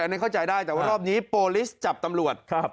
อันนี้เข้าใจได้แต่ว่ารอบนี้โปรลิสจับตำรวจ